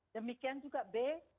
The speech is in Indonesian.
demikian juga b satu